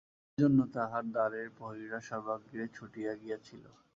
এইজন্য তাঁহার দ্বারের প্রহরীরা সর্বাগ্রে ছুটিয়া গিয়াছিল।